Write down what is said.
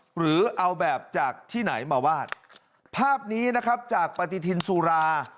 หรือเอาแบบจากที่ไหนมาวาดภาพนี้นะครับจากปฏิทินสุรา